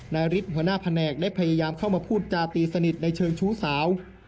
ฤทธิ์หัวหน้าแผนกได้พยายามเข้ามาพูดจาตีสนิทในเชิงชู้สาว